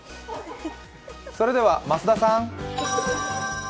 それでは増田さん。